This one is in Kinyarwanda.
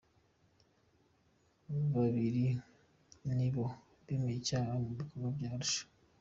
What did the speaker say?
Babiri ni bo bemeye icyaha mu Rukiko rwa Arusha